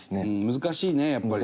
難しいねやっぱりね。